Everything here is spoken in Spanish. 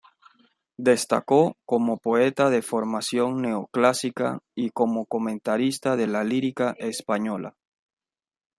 Destacó como poeta de formación neoclásica y como comentarista de la lírica española.